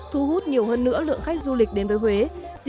thu hút nhiều hơn nữa lượng khách hàng